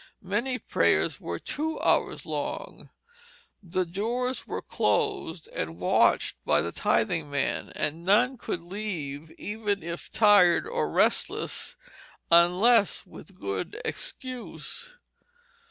Many prayers were two hours long. The doors were closed and watched by the tithing man, and none could leave even if tired or restless unless with good excuse.